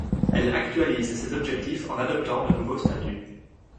Elle actualise ses objectifs en adoptant de nouveaux statuts.